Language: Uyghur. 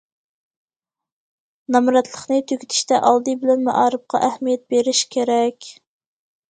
نامراتلىقنى تۈگىتىشتە ئالدى بىلەن مائارىپقا ئەھمىيەت بېرىش كېرەك.